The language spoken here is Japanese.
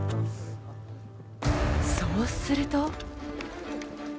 そうすると。